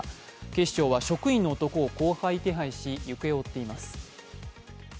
警視庁は職員の男を公開手配し行方を追っています。